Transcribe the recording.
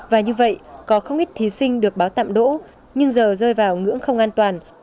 và như vậy có không ít thí sinh được báo tạm đỗ nhưng giờ rơi vào ngưỡng không an toàn